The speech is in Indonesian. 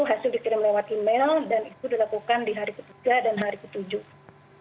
hasil dikirim lewat email dan itu dilakukan di hari ketiga dan hari ketujuh